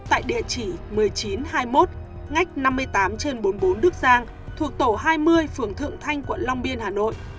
tại địa chỉ một mươi chín hai mươi một ngách năm mươi tám trên bốn mươi bốn đức giang thuộc tổ hai mươi phường thượng thanh quận long biên hà nội